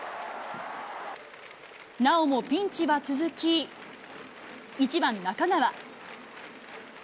なおもピンチは続き、１番中川。